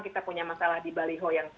kita punya masalah di baliho yang